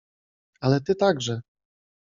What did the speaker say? — Ale ty także…